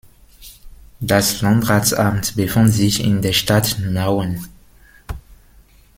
Das Landratsamt befand sich in der Stadt Nauen.